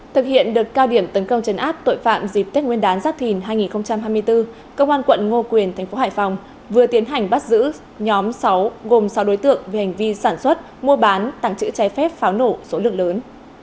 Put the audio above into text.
thực hiện được cao điểm tấn công chấn áp tội phạm dịp tết nguyên đán giáp thìn hai nghìn hai mươi bốn công an quận ngô quyền thành phố hải phòng vừa tiến hành bắt giữ nhóm sáu gồm sáu đối tượng về hành vi sản xuất mua bán tặng chữ trái phép pháo nổ số lượng lớn